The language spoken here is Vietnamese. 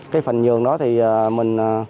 cái phần nhường đó thì mình